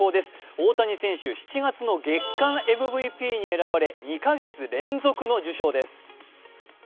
大谷選手、７月の月間ＭＶＰに選ばれ２か月連続の受賞です。